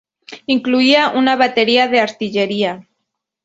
Incluía una batería de artillería.